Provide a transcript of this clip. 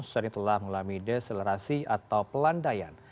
sering telah mengalami deselerasi atau pelandaian